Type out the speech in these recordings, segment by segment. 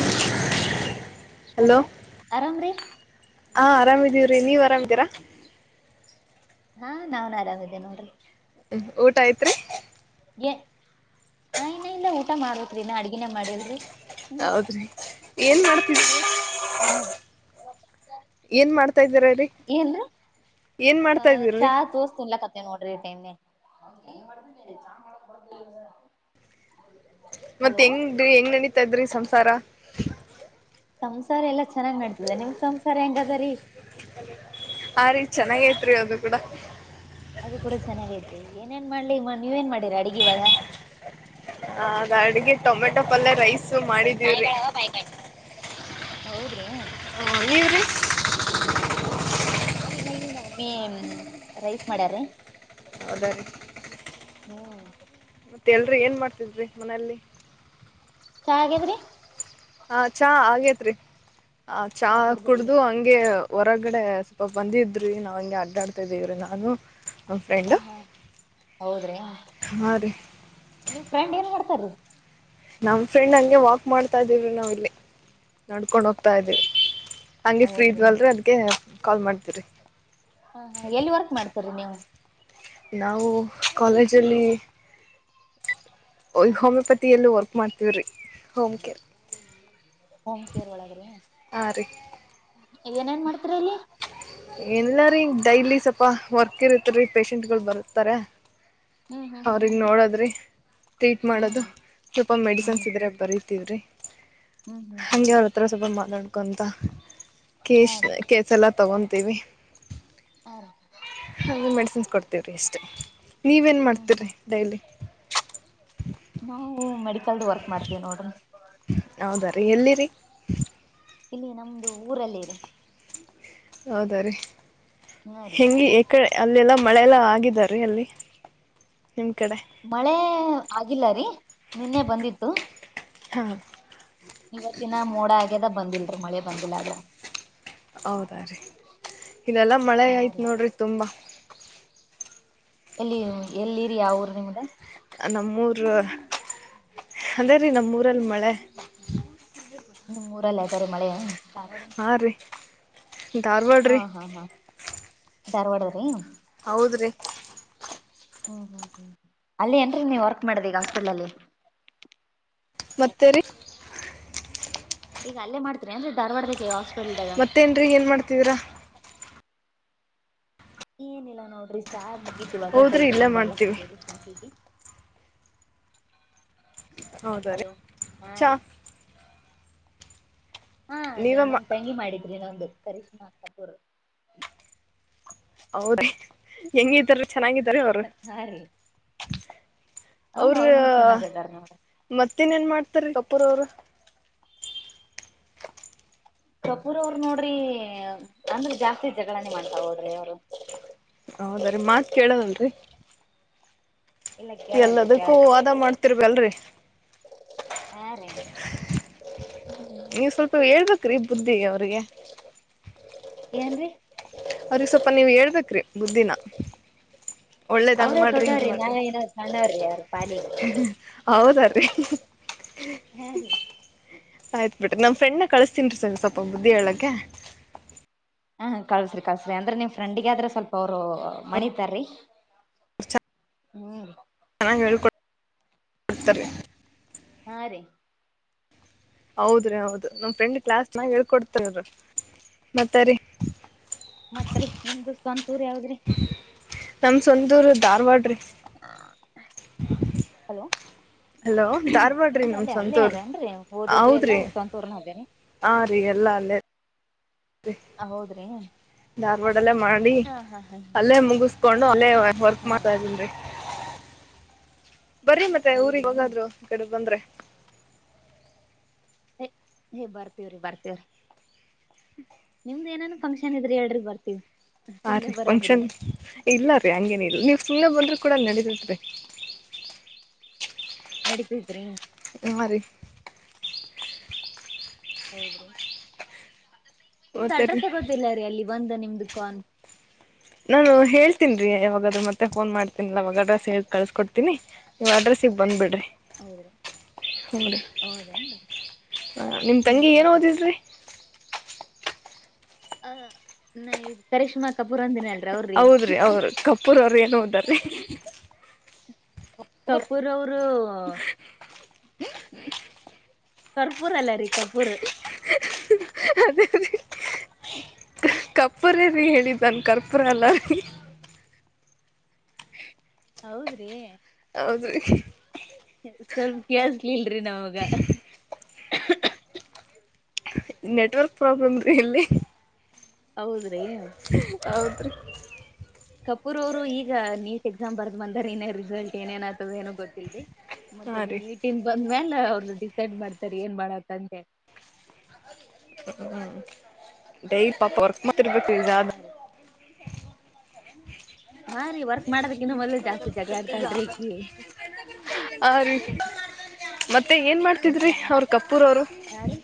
[inaudible] Hello ಆರಾಮ್ರೀ ಹಾ ಆರಾಮಿದೀವ್ರಿ ನೀವ್ ಆರಾಮ ಇದ್ದರ ಹಾ ನಾವನ್ ಆರಾಮಿದ್ದೇ ನೋಡ್ರಿ ಹ್ಮ ಊಟ ಐತ್ರಿ ಆ ಇನ್ನ ಇಲ್ಲ ಊಟ ಮಾಡತ್್ರೀ ನ ಅಡ್ಗಿನೇ ಮಾಡಿಿದರು ಹೌದ್ರಿ ಏನ್ ಮಾಡ್ತವಿಿ ಹಾ ಏನ್ ಮಾಡ್ತಾ ಇದೀರರಿ ಏನ್್ರ ಏನ್ ಅ ಮಾಡ್ತಾ ಇದೀರ್ರಿ ಚಹ ತೋಸ್ ತಿನ್ಲ ನೋಡ್ರಿ ತ ಇನ್ನೆ ಮತ್ತೆ ಹೆಂಗೀ ಹೆಂಗ್ ನಡಿತಾ ಇದ್ರಿ ಸಂಸಾರ ಸಂಸಾರ ಎಲ್ಲಾ ಚೆನ್ನಾಗ್ ಮಾಡ್ತಿದೆ ನಿಮ್ ಸಂಸಾರ ಹೆಂಗ ಅದರಿೀ ಆ ರೀ ಚೆನ್ನಾಗ ಐತ್ರಿ ಅದು ಕೂಡ ಅದು ಕೂಡ ಚೆನ್ನಾಗೈಐತೆ ಏನಏನ್ ಮಾಡ್ಲಿ ನೀವೇನ್ ಮಾಡ ಅಡುಿಗೆಿ ಬಾಗ ಅದ ಅಡ್ಗೆ ಟೊಮೆಟೊ ಪಲ್ಯ ರೈಸ್ ಮಾಡಿದೀವ್ರಿ ಹೌದ್ರಿ ಹ ನೀವ್ರಿ ನಾವ ಇ ನ ಒಮ್ಮಿ ರೈಸ್ ಮಾಡ್ಯ್ರೀ ಅದಾಗಿ [inaudible] ಹ್ಮ ಮತ್ತೆ ಎಲ್ರಿ ಏನ್ ಮಾಡ್ತಿದ್ರಿ ಮನೇೆಯಲ್ಲಿ ಶಾ ಕೆ ಎಬಡಿ [unintelligible] ಹ ಚಾ ಆಗೇತ್ರಿ ಆ ಚಾ ಕುಡ್ದು ಹಂಗೆ ಹೊರಗಡೆ ಸ್ವ ಬಂದಿದ್ರಿ ನಾವ್ ಹಂಗೆ ಅಡ್ಡಾಡ್ತಾ ಇದೀವ್ರಿ ನಾನು ನಮ್ ಹ ಫ್ರೆಂಡ್ ಹ ಹೌದ್ರಿ ಹಾ ರೀ ನಿಮ್ ಫ್ರೆಂಡ್ ಏನ್ ಮಾಡ್ತಾರೀ ನಮ್ ಫ್ರೆಂಡ್ ಹಂಗೆ ವಾಕ್ ಮಾಡ್ತಾ ಇದ್ವಿ ನಾವ್ ಇಲ್ಲಿ ನಡ್ ನಡ್ಕೊಂಡು ಹೋಗ್ತಾ ಇದ್ವಿ ಹಂಗೆ ಫ್ರೀ ಹೌದ್ರಿ ಇದವಲ್ರಿ ಅದಕ್ಕೆ ಕಾಲ್ ಮಾಡ್ತೀರಿ ಹ ಎಲ್ಲಿ ವರ್ಕ್ ಮಾಡ್ತರಿ ನೀವು ನಾವು ಕಾಲೇಜಲ್ಲಿ ಹೋಮಿಯೋಪತಿಯಲ್ಲೂ ವರ್ಕ್ ಮಾಡ್ತೀವ್ರಿ ಹೋಮ್ ಕೇರ್ ಹೊಮ್ ಕೇರ್ ಒಳಗಡೆ ಹಾ ರೀ ಏನೇನ್ ಮಾಡ್ತಿರಿ ಇಲ್ಲಿ ಇಲ್ಲ ರಿ ಡೈಲಿ ಸ್ವಲ್ಪ ವರ್ಕ್ ಇರತ್ತೆ ರಿ ಪೇಶೆಂಟ್ಗಳು ಬರುತಾರೆ ಹ್ಮ್ ಹ್ಮ್ ಅವ್ರಗ್ ನೋಡುದ್ರಿ ಟ್ರೀಟ್ ಹ್ಮ್ ಮಾಡೋದು ಹ್ಮ್ ಸ್ವಲ್ಪ ಮೆಡಿಸನ್ಸ್ ಹ್ಮ್ ಇದ್ರೆ ಬರಿತಿವ್ ರೀ ಹ್ಮ್ ಹ್ಮ್ ಹ್ಮ್ ಹಂಗೆ ಅವ್ರ ಹತ್ರ ಸ್ವಲ್ಪ್ ಮಾತಾಡ್ಕೊಂತ ಹಾ ಕೇಷ್ ರೀ ಕೇಸ್ ಎಲ್ಲ ತಗೊಂತೀವಿ ಹಾ ರೀ ಅ ಮೆಡಿಸಿನ್ಸ್ ಕೊಡ್ [unintelligible] ಎಷ್ಟೇ ನೀವ್ ಎನ್ ಹ್ಮ್ ಮಾಡ್ತೀರಿ ಹ್ಮ್ ಡೈಲಿ ನಾವು ಮೆಡಿಕಲ್ದು ವರ್ಕ್ ಮಾಡ್ತೀವಿ ನೋಡ್ರಿ ಹೌದ ರೀ ಎಲ್ಲಿರಿ ಇಲ್ಲಿ ನಮ್ದು ಊರಲ್ಲಿ ರಿ ಹೌದ ರೀ ಹಾ ರೀ ಹೆಂಗಿ ಯಕ ಅಲ್ಲೆಲ್ಲ ಮಳೆಲ್ಲ ಆಗಿದೆ ರಿ ಅಲ್ಲಿ ನಿಮ್ಮ ಕಡೆ ಮಳೆ ಆಗಿಲ್ಲ ರೀ ನಿನ್ನೆ ಬಂದಿತ್ತು ಹಾ ಇವತ್ತಿನ ಮೋಡ ಆಗ್ಯದ ಬಂದಿಲ್ರಿ ಮಳೆ ಬಂದಿಲ್ಲ ಆದ್ರ ಹೌದಾ ರೀ ಇನ್ನೆಲ್ಲಾ ಮಳೆ ಹಾ ಆಯ್ತ್ ರೀ ನೋಡ್ರಿ ತುಂಬಾ ಎಲ್ಲಿ ಎಲ್ಲಿರಿ ಯಾವ ಊರು ನಿಮ್ದ ನಮ್ಮೂರ್ ಅದೇ ರೀ ನಮ್ಮೂರಲ್ಲಿ ಮಳೆ ಹ್ಮ್ ಊರಲ್ ಅದರೆ ಮಳೆ ಹಾ ರೀ ಧಾರ್ವಾಡ್ರಿ ಧಾರ್ವಾಡ ರಿ ಹೌದ್ರಿ ಹ್ಮ್ ಹ್ಮ್ ಹ್ಮ್ ಅಲ್ಲಿ ಏನ್ರೀ ನೀವ್ ವರ್ಕ್ ಮಾಡದ್ ಈಗ ಹಾಸ್ಪಿಟ್ ಲಲ್ಲಿ ಮತ್ತೆ ರೀ ಈಗ ಅಲ್ಲೇ ಮಾಡ್ತೀರೆನ್ ಧಾರ್ವಾಡ್ದೇಗೆ ಮತ್ತೇನ್ರಿ ಏನ್ ಮಾಡ್ತಿದಿರಾ ಏನಿಲ್ಲಾ ನೋಡ್ರಿ ಚಾ ಮುಗೀತ್ ಇವಾಗ ಕೈ ಹೌದ್ರಿ ಇಲ್ಲೇ ತಕೊಂಡ್ ಮಾಡ್ತೀವಿ ಬರ್ಲಕ್ಕೊಂಟಿವ್ರಿ ಕುಂತೀವಿ ಹೌದಾ ರೀ ಹಲೋ ಹಾ ಚಾ ರೀ ಹಾ ನ ನೀವೇ ಮಾ ನಮ್ ತಂಗಿ ಮಾಡಿದ್ರಿ ನೊಂದು ಕರಿಶ್ಮಾ ಕಪೂರ್ ಹೌದೇ [unintelligible] ಹೆಂಗಾರ ಚೆನ್ನಾಗಿದಾರ ಅವರು ಹಾ ರೀ ಹ ಅವ್ರು ಅವ್ರನು ಚೆನ್ನಾಗದಾರ ನೋಡ್ರಿ ಮತ್ ಇನ್ನೇನ್ ಮಾಡ್ತಾರ್ ರಿ ಕಪೂರ್ ಅವ್ರು ಕಪೂರ್ ಅವ್ರರು ನೋಡ್ರಿ ಅಂದ್ರ ಜಾಸ್ತಿ ಜಗಳಾನೆ ಮಾಡ್ತ ಹೋಡ್ರಿ ಅವರು ಹೌದ್ರೀ ಮಾತ್ ಕೇಳವಲ್ರಿ ಇಲ್ಲ ಕೇಳಲ್ರಿ ಎಲ್ಲದಕ್ಕೂ ಕೇಳಲ್ ವಾದ ಮಾಡ್ತಿರ್ವಿ ಅಲ್ರಿ ಹಾ ರೀ ನೀವ್ ಸ್ವಲ್ಪ ಹೇಳ್ಬೇಕ್ರಿ ಬುದ್ಧಿ ಅವ್ರಿಗೆ ಏನ್ರಿ ಅವ್ರಿಗೆ ಸ್ವಲ್ಪ ನೀವ್ ಹೇಳ್ಬೇಕಕ್ ರಿ ಬುದ್ದಿನ ಒಳ್ಳೇದ ಅವ್ರ ಹಂಗ್ ಮಾಡ್ರಿ ಹಿಂಗ ದೊಡ್ಡವ್ರಿ ನಾವ ಮಾಡ್ರಿ ಏನೋ ಸಣ್ಣವ್ರಿ ಅವ್ರ ಪಾಲಿಗೆ ಹೌದಾರಿ ಹಾ ರೀ ಆಯ್ತ್ು ಬಿಟ್ರಿ ನಮ ಫ್ರೆಂಡ್ನ ಕಳಸ್ತೀನ್ರಿ ಸರಿ ಸ್ವಲ್ಪ ಬುದ್ಧಿ ಹೇಳಗ್ಗೆ ಹಾ ಕಳ್ಸ್ರಿ ಕಲ್ಸ್ರಿ ಅಂದ್ರೆ ನಿವ್ ಫ್ರೆಂಡಿಗಾದ್ರೆ ಸ್ವಲ್ಪ ಅವರು ಮಣಿತಾರೀ ಹ್ಮ್ ಚೆನ್ನಾಗಿ ಹಕೊತಾರೆ ಹಾ ರೀ ಹೌದ್ರೀ ಹೌದು ನಮ್ ಫ್ರೆಂಡ್ ಕ್ಲಾಸ್ ನಾಗ ಹೇಳ್ಕೊಡ್ತಾರ ಮತ್ತರಿ ಮತ್ರಿ ನಿಮ್ದು ಸ್ನ್ಪೂರ್ ಯಾವದ್ರಿ ಸುಂದೂರು ಧಾರವಾಡ ರೀ [inaudible] ಹ ಹಲೋ ಧಾರ್ವಾಡ್ರಿ ನಮ್ ಸ್ವಂತೂರ್ ಅದೇನ್ರಿ ಓದೋದು ಎಲ್ಲಾ ಹೌದ್ರಿ ಸ್ವಂತೂರ್ನ ಅದೇರಿ ಹ ರೀ ಎಲ್ಲಾ ಅಲ್ಲೇ ಹೌದ್ರಿ ಧಾರ್ವಾಡಲ್ಲ ಮಾಡಿ ಹಾ ಹಾ ಹಾ ಅಲ್ಲೇ ಮುಗಿಸಕೊಂಡು ಅ ಅಲ್ಲ ವರ್ಕ್ ಹಾ ರೀ ಮಾಡ್ತಾ ಇದನ್ರಿ ಬರ್ರ ಮತ್ತೆ ಊರಿಗೆ ಹೌದ್ರಿ ಹೋಗಾದ್ರು ಕಡೆ ಬಂದ್ರೆ ಏ ಬರ್ತೀವ್ರಿ ಬರ್ತೇವ್ರಿ ನಿಮ್ದ ಏನ ಫಂಕ್ಷನ್ ಇದ್ರ ಎಲ್ರ ಬರ್ತೀವಿ ಹ ಸುಮ್ನೆ ರೀ ಬರಾಮ್ರಿ ಫಂಕ್ಷನ್ ಇಲ್ಲ ರೀ ಹಂಗೇನ ಇಲ್ ನೀವು್ ಸುಮ್ಮ್ನೆ ಬಂದ್ರರು ಕೂಡ ನಡೀದತ್ರಿ ನಡಪಸ್ರಿ ನರಿ ಹೌದ್ರಿ ನಿಮ್ದ ಮತ್ತೆ ರೀ ಅಡ್ರೆಸ್ಗೊದಿಲ್ಲ ರೀ ಅಲ್ಲಿ ಬಂದ ನಿಮ್ದು ಕಾನ್ ನಾನು ಹೇಳ್ತೀನ್ಿ ರೀ ಯಾವಾಗ್ರರು ಮತ್ತೆ ಫೋನ್ ಮಾಡ್ತೀನಿಲ್ಲ ಅವಾಗ ಅಡ್ರೆಸ್ ಕಳ್ಸ್ಕೊಡ್ತೀನಿ ಇವ ಅಡ್ರೆಸ್ ಸಿಗ ಬಂದುಬ ಬಿಡ್ರಿ ಹೌದ್ರ ಹದ ಹ ನಿಮ್ ಹ್ಮ್ ತಂಗಿ ಹ್ಮ್ ಏನ್ ಹ್ಮ್ ಓದಿದ್ರಿ ಹ ನ ಇ ಕಶ್ಮಾ ಕಪೂರ್ ಅಂತಿನೇಳ ಹೌದ್ರಿ ಅವ್ರ ಕಪೂರ್ ಅವ್ರ ಏನು ಹೋದ್ರೀ ಕಪೂರ್ ಅವರು ಹ ಕರ್ಪೂರ ಅಲ್ಲ ರೀ ಕರ್ಪೂರ್ ಅದ ಕರ್ಪ್ಪರ ರೀ ಹೇಳಿದ್ದಾನ ಕರ್ಪೂರ ಅಲ್ಲ ರೀ ಹೌದ್ರಿ ಅದ ಸ್ವಲ್ಪ ಕಳ್ಸಲಲ್ರಿ ನಾವಾಗ ನೆಟ್ವರ್ಕ್ ಪ್ರಾಬ್ಲಮ್ ರೀ ಇಲ್ಲಿ ಹೌದ್ರಿ ತ್ತರಿ ಕಪೂರ್ ಅವ್ರು ಈಗ ನೀಟ್ ಎಕ್ಸಾಮ್ ಬರ್ದ್ ಬಂದಾರ ಇನ್ನೇ ರಿಸಲ್ಟ್ ಏನೇನ ಆ್ತದ ಏನ ಗೊತ್ತಿಲ್ದ ಮತ್ತತ್ ಹಾ ಅದು ರೀ ನೀಟಿಂದ ಬಂದ್ಮ್ಯಾ ಎಲ್ಲ ಅವರು ಡಿಸೈಡ್ ಮಾಡ್ತಾರೆ ಏನ್ ಮಾಡತ್ತಂತೆ ಹ್ಮ ಡೇ ಪಾಪ ವರ್ಕ್ ಹಾ ಮಾತಬೇಕಾದ ರೀ ಹಾ ರೀ ವರ್ಕ್ ಮಾಡೋದಕ್ಕಿನ್ನ ಮಲ್ಲ ಜಾಸ್ತಿ ಜಗಳಾ ಆಡ್ತಾವಳ್ರಿ ಈಿ ಹ ರೀ ಮತ್ತೆ ಮತ್ತೆ ಏನ್ ಮಾಡ್ತಿದ್ರಿ ಅವ್ರ ಕಪ್ಪೂರವರು ಹಾ ರೀ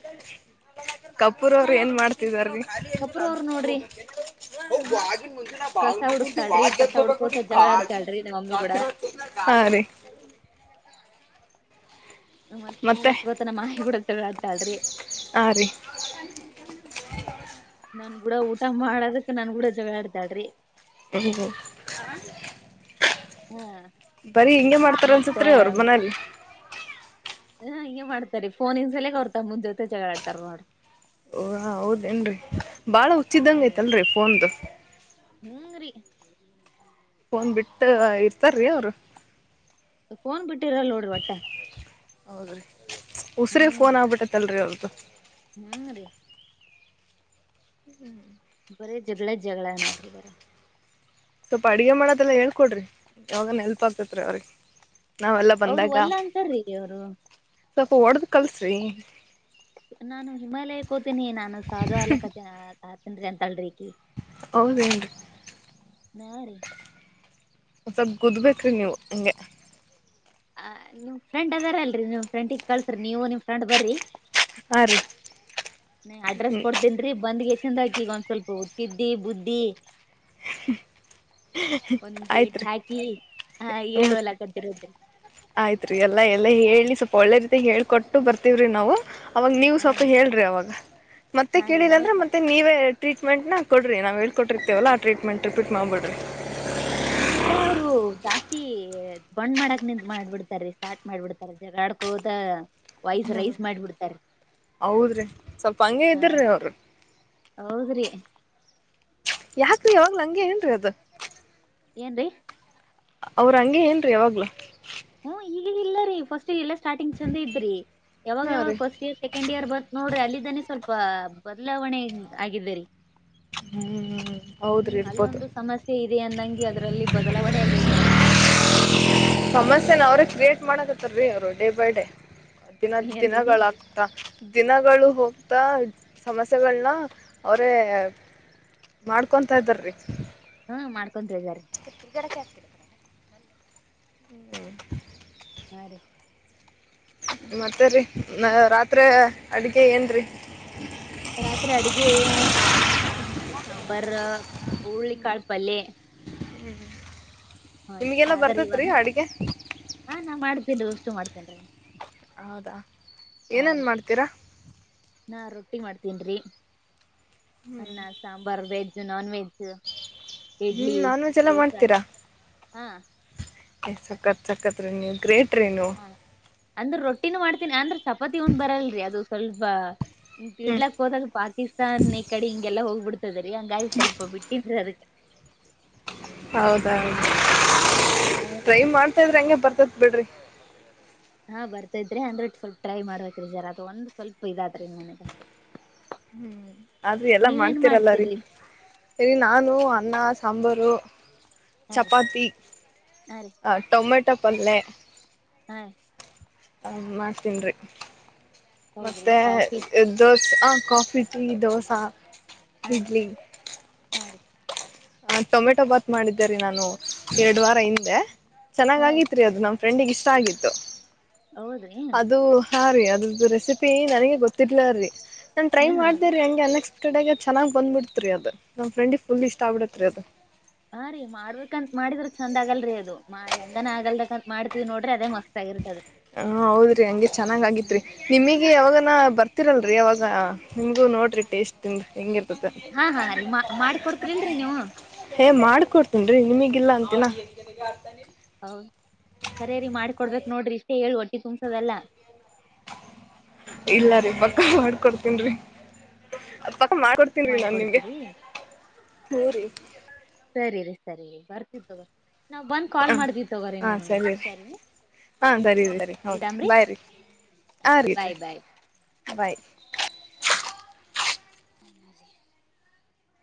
ಕಪೂರ್ ಅವ್ರ ಏನ್ ಮಾಡ್ತಿದಾರೀ ಕಪೂರ್ ಅವ್ರ ನೋಡ್ರಿ ೆ ಭಾಣ ಕಸ ಕುು ಹುಡುಕ್ತಾಳ್ರಿ ಕಸ ಹುಡ್ಕೋತ ವ್ದಿ ಗಾಡಿ ಜಗಳಾಡ್ತಾಳ್ರಿ ನಮ್ ಮಮ್ಮಿ ಕೂಡ ಗ ಮತ್ತತ್ ಮನ ಮತ್ತೆ ವರ್ಸ್ ಗೊತ್ತನ ಮಾಹಿ ಕೂಡಕ್ ತ ಆಡ್ತಾಳಿ ಹಾ ರೀ ನನ್ ಕೂಡ ಊಟ ಮಾಡೋದಕ್ ನನ್ ಕೂಡ ಜಗಳಾಡ್ದಾಡ್ರಿ ಇು ಹ ಬರಿ ಹಿಂಂಗಗೆ ಮಾಡ್ತಾರ ಮತ್ತ ಅನ್ಸತ್ರಿ ಅವ್ರ ಮನೇಲಿ ಹಾ ಹಿಂಗೆ ಮಾಡ್ತಾರಿ ಫೋನ ಇನ್ ಸಲ ಹೊರ್ತ ಮುಂದ್ ಜೊತೆ ಜಗಳಾ ಆಡ್ತಾರ ನೋ ಓ ಹೌದೇನ್ರರಿ ಬಾಳ ಉಚಿದಂಗ ಐತಲ್ರರಿ ಫೋನ್ದು ಹ್ಮಂಗ್ರಿ ಫೋನ್ ಬಿಟ್ಟ ಇರ್ತಾರೀ ಅವರು ೋನ್ ಬಿಟ್ಟಿರಲ್ ನೋಡ್ರಿ ಒಟ್ಟ ಹೌದ್ರಿ ಉಸಿರಗ್ ಹ್ಮ್ ಫೋನ್ ರೀ ಆಗ್ಬಿಟ್ಟೇತ್ತಲ್ರರಿ ಅವ್ರದ್ದು ಹ್ಮ್ ರೀ ಹ್ಮ್್ಮ ಬರೀ ಜಗಳ ಜಗಳ ನೋಡ್ರಿ ಬರ ಸ್ವಲ್ಪ ಅಡಗೆ ಮಾಡದೆಲ್ಲ ಹೇಳ್ಕೊಡ್ರಿ ಯಾವಾಗನ್ ಎಲ್ಪ್ ಆಗ್ತತ್ ರೀ ಅವ್ರಿಗೆ ನಾವೆಲ್ಲ ಅವ್ರು ಬಂದಾಗ ವಲ್ಲ ಅಂತಾರ್ರೀ ಅವ್ರು ಸ್ವಲ್ಪ ಓಡ್ದ ಕಲ್ಸ್ರಿ ನಾನು ಹಿಮಾಲಯಕ್ಕೆ ಹೋತೀನಿ ನಾನು ಸಾಧು ಅಲಕ್ಕತನ್ಿ ಅಂತಲ್ಿ ಹೌದೇನ್ರಿ ನಾ ರೀ ಒ ಸ್ವಲ್ಪ ಕೂುದ್ಬೇಕ್ರೀ ನೀವು ಹಂಗೆ ಆ ನಿಮ್ ಫ್ರಂಡ್ ಅದಾರ ಅಲ್ರಿ ನಿಮ್ ಫ್ರೆಂಡಿಗೆ ಕಳ್ಸ್ರಿ ನೀವು ನಿಮ ಫ್ರೆಂಡ್ ಬರ್ರರಿ ಆ ಅಡ್ರೆಸ್ ಕೊಡ್ತೇನ್ೀ ಬಂದ್ ಎಷ್ಟ ಚಂದಾಕಿ ಈಗ ಒಂದ್ ಸ್ವಲ್ಪ ಹೋಗತಿದ್ದಿ ಬುದ್ಧಿ ಆಯ್ತ್ ಒಂದ ೇಟ್ ರೀ ಹಾಕಿ ಹ ಏುವಲ್ಲ ಕದ್ದಿರದ್ರಿ ಆಯ್ತ್ರಿ ಎಲ್ಲಾ ಎಲ್ಲ ಹೇಳಿ ಸ್ವಲ್ಪ ಒಳ್ಳೆ ರೀತಿಾಗಿ ಹೇಳ್ಕೊಟ್ಟು ಬರ್ತವ್ರಿ ನಾವು ಅವಾಗ ನೀವು ಹಾ ಸ್ವಲ್ಪ ರೀ ಹೇಳ್ರಿ ಅವಾಗ ಮತ್ತೆ ಹಾ ರೀ ಕೇಳಿಲ್ಲ ನಾವ್ ಅಂದ್ರೆ ಮತ್ತೆ ನೀವೇ ಟೀಟ್ಮೆಂನ ಕೊಡಿರಿ ನಾವು ಹಳ್ಕೊಿರ್ತವಲ್ಲ ಆ ಟೀಟೆಂಟ್ ರಿಪಟ್ ಮಾಡಬಿಡರಿ ನಮ್ ಕೂಡ ಅವ್ರು ಜಾಸ್ತಿ ಬಂಡ್ ಮಾಡಕ್ ನಿಂತ ಮಾಡ್ಬಿಡ್ತಾರ ಸ್ಟಾರ್ಟ್ ಮಾಡ್ಬಿಡ್ತಾರ ಜಗಳ ಮಾಡಕೋದ ಹ್ಮ್ ಹೌದ್ರಿ ಸ್ವಲ್ಪ ಹಂಗ ಇದ್ರೀ ಅವ್ರ ಹೌದ್ರರಿ ಯಾಕ್ರೀ ಅವವಾಗ ನಂಗೆ ಏನ್ರೀ ಅದು ಏನ್ ಅವ್ರ ಹಂಗೆ ಏನ್ರಿ ಯಾವಾಗ್ಲ ಹ್ಮ್ ಈಗ ಇಲ್ಲ ರೀ ಫಸ್ಟ್ ಇಯರ್ ಇಲ್ಲಾ ಸ್ಟಾರ್ಟಿಂಗ್ ಚಂದ ಇದ್ರರಿ ಯಾವಾಗ ಹಾ ಯಾವಾಗ ರೀ ಫಸ್ಟ್ ಇಯರ್ ಸೆಕೆಂಡ್ ಇಯರ್ ಬ ನೋಡ್ರಿ ಅಲ್ಲಿಿದ್ದಾನೆ ಸ್ವಲ್ಪ ಬದಲಾವಣೆ ಆಗಿದ್ದೇರಿೀ ಹ್ಮ್ ಹ್ಮ್್ಮ ಹ್ಮ್ ಅಲ್ಲೊಂದು ಸಮಸ್ಯೆ ಇದೆ ಅಂದಂಗಗೆ ಅದ್ರಲ್ಲಿ ಬದಲಾವಣೆ ಆಗಿದ್ರ ಅವ್ರ ಮೇಲೆ ಸಮಸ್ಯೆನ ಅವ್ರೇ ಕ್ರಿಯೇಟ್ ಮಾಡಕತ್ತಾರೀ ಅವರು ಡೇ ಬೈ ಡೇ ದಿನ ಏನ್ರೀ ದಿನಗಳಾಗ್ತಾ ದಿನಗಳು ಹೋಗ್ತಾ ಸಮಸ್ಯೆಗಳನ ಅವರೇ ಮಾಡ್ಕೊಂತ ಇದ್ದಾರಿಗ ಹಾ ಮಾಡ್ಕೊಂತ ಇದಾರೆ ಹ್ಮ್ ಹಾ ರೀ ಮತ್ತೇರಿ ನ ರಾತ್ರಿ ಅಡಿಗೆ ಏನ್ರಿ [unintelligible] ರಾತ್ರಿ ಅಡುಗೆ ಎನ್ [unintelligible] ರಾನ ಸಾಂಬಾರ ಉರುಳ್ಳಿಕಾಳ್ಪಲ್ಲೆ [unintelligible] ಹಾ ಇಷ್ಟ ನಿಮ್ಗೆಲ್ಲ ಆದ್ರ ಬರ್ತತ್ರಿ ಇವಾಗ ಅಡುಗೆ ಹಾ ನಾ ಮಾಡ್ತೇನ್ರಿ ಉಷ್ಟು ಮಾಡ್ತೇನ್ರಿ [unintelligible] ಹೌದಾ ಹಾ ಏನನ್ ರೀ ಮಾಡ್ತೀರಾ [unintelligible] ನಾ ರೊಟ್ಟಿ ಮಾಡ್ತೇನ್ರಿ ಹ್ಮ್ ಅನ್ನ ಸಾಂಬಾರ್ ವೆಜ್ ನಾನ್ ವೆಜ್ [unintelligible] ಹ್ಮ್ ಇಡ್ಲಿ ನಾನ್ ವೆಜ್ [inaudible] ಎಲ್ಲ ದೋಸಾ [inaudible] ಹಾ ಏನ್ ಸಕ್ಕತ್ ಸಕ್ಕತ್ ರೀ ನೀವ್ ಗ್ರೇಟ್ರೀ ನೀವು ಅಂದ್ರೆ ರೊಟ್ಟಿನು ಮಾಡ್ತೀನಿ ಅಂದ್ರ ಚಪಾತಿ ಒಂದು ಬರಲ್ರರಿ ಅದು ಸ್ವಲ್ಪ ಹ್ಮ್ ತಿಡ್ಲಕ್ ಹೋದ್ಗ ಪಾಕಿಸ್ತಾನ್ ಕಡೆ ಹಿಂಗೆಲ್ಲ ಹೋಗಿಬಿಡುತ್ತೆ ರಿ ಹಂಗಾಯ ಸ್ವಲ್ಪ ಬಿಟ್ಟಿದ್ರಿ ಅದಕ್ಕೆ ಹೌದೌ ಹಾ ರೀ ಟ್ರೈ ಮಾಡ್ತಾ ಇದ್ರೆ ಹಂಗೆ ಬರ್ತದ ಬಿಡ್ರಿ ಹಾ ಬರ್ತ ಇದ್ರೆ ಅಂದ್ರೆಟ್ಟ ಸ್ವಲ್ಪ ಟ್ರೈ ಮಾಡ್ಬೇಕ್ರಿ ಜರ್ ಅದು ಒಂದು ಸ್ವಲ್ಪ ಇದಾದ್ರೆ ಇನ್ ಮನೆಗೆ ಹ್ಮ್ ಅದ್ರು ಎಲ್ಲಾ ಮಾಡ್ತೀರಲ್ಲ ರೀ ಮಾಡ್ತೀರಿ [inaudible] ರೀ ನಾನು ಅನ್ನ ಸಾಂಬಾರು ಹಾ ರೀ ಚಪಾತಿ ಹಾ ರೀ ಟೊಮೆಟ್ [unintelligible] ಪಟ್ಟಪಲ್ಲೆ [unintelligible] ಹಾ ಮಾಡ್ತೀನ್ರಿ [inaudible] ಹೌದ್ರಿ ಮತ್ತೆ ಕಾಫಿ ದೋಸೆ ಹಾ ಕಾಫಿ ಟೀ ದೋಸಾ ಹಾ ರೀ [unintelligible] ಹಾ ರೀ ಹ ಟೊಮೆಟೊ ಬಾತ್ ಮಾಡಿದ್ದೇರಿ ನಾನು ಎರಡ್ ವಾರ ಹಿಂದೆ ಚೆನ್ನಾಗ್ ಹಾ ರೀ ಆಗಿತ್ರಿ ಅದು ನಮ್ಮ್ ಫ್ರೆಂಡಿಗೆ ಇಷ್ಟ ಆಗಿತ್ತು ಹೌದ್ರಿ [inaudible] ಅದು ಹಾ ರೀ ಅದು ರೆಸಿಪಿ ನನಗೆ ಗೊತ್ತಿರ್ಲ ರೀ ನಾನ್ ಟ್ರೈ ಹ್ಮ ಹ ಮಾಡ್ದೇ ರೀ ಹಂಗೆ ಅನ್ನ [unintelligible] ಚೆನ್ನಾಗಿ ಬಂದ್ಬಿಡ್ತ್ ರೀ ಅದು ನಮ್ಮ ಫ್ರೆಂಡಿಗೆ ಫುಲ್ ಇಷ್ಟ ಆಗ್ಬಿಟಿತ್ ರೀ ಅದು ಹಾ ರೀ ಮಾಡ್ಬೇಕಂತ ಮಾಡಿದ್ರ ಚಂದ ಆಗಲ್ರಿ ಅದು ಹೆಂಗನ ಆಗಲ್ದಂತ ಮಾಡ್ತೀವ್ ನೋಡ್ರಿ ಅದೇ ಮಸ್ತ್ ಆಗಿರ್ತದ ಹಾ ಹೌದ್ರಿ ಹಂಗೆ ಚೆನ್ನಾಗ್ ಆಗಿತ್ರಿ ನಿಮಗೆ ಯಾವಗ ಬರ್ತಿರಲ್ರರಿ ಅವಾಗ ನಿಮಗೂ ನೋಡ್ರಿ ಟೇಸ್ಟ್ ಹೆಂಗಿ ಹಾ ಹಾ ರೀ ಮಾಡ್ ಮಾಡಿಕೊಡ್ತರಿಲ್ರಿ ನೀವು ಹೇ ಮಾಡ್ಕೊಡ್ತೀನ್ ರೀ ನಿಮಿಗಿಲ್ಲ ಅಂತಿನ ಹೌದ ಸರೇ ರಿ ಮಾಡಕೊಡ್ಬೇಕ್ ನೋಡ್ರಿ ಇಷ್ಟೇ ಹೇಳಿ ಹೊಟ್ಟೆ ತುಂಬ್ಸದಲ್ಲ ಇಲ್ಲ ರೀ ಪಕ್ಕ ಹಲೋ ಮಾಡ್ಕೊಡ್ತನ್ರಿ ಪಾ ಮಾಡ್ಕೊಡ್ತೀನ್ ರೀ ನಾನ್ ನಿಮ್ಗೆ ಮಾಡಿಕೊಡ್ತೀರಿ [inaudible] ಹೂ ರೀ ಸರಿ ರೀ ಸರಿ ರೀ ಬರ್ತಿ ತಗೋರಿ ನಾವ್ ಬಂದ್ ಹ ಕಾಲ್ ಮಾಡಿತಿವಿ ತಗೋರೀ ನಿಮಗೆ ಸರಿ ನೀ ಹಾ ಸರಿ ರೀ ಸರಿ ರೀ ಹೌದ್ರಿ ಬೈ ರೀ [inaudible] ಹಾ ರೀ ಇಡ್ರಿ ಬಾಯ್ ಬಾಯ್. [inaudible] ಬೈ